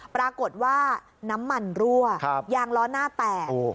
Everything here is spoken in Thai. ปรากฏว่าน้ำมันรั่วยางล้อหน้าแตก